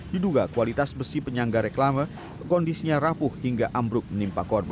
diduga kualitas besi penyangga reklama kondisinya rapuh hingga ambruk menimpa korban